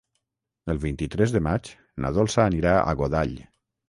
El vint-i-tres de maig na Dolça anirà a Godall.